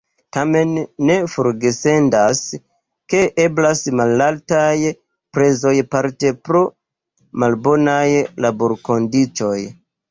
Tamen ne forgesendas, ke eblas malaltaj prezoj parte pro malbonaj laborkondiĉoj.